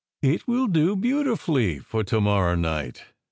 It will do beautifully for to morrow night.